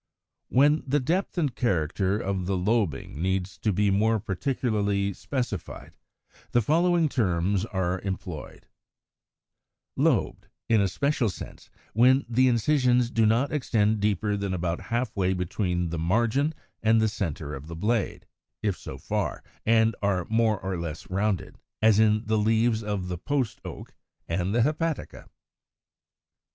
140. When the depth and character of the lobing needs to be more particularly specified, the following terms are employed, viz.: Lobed, in a special sense, when the incisions do not extend deeper than about half way between the margin and the centre of the blade, if so far, and are more or less rounded; as in the leaves of the Post Oak, Fig. 148, and the Hepatica, Fig.